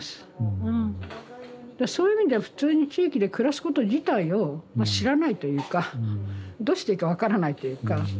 だからそういう意味では普通に地域で暮らすこと自体をまあ知らないというかどうしていいか分からないっていうか。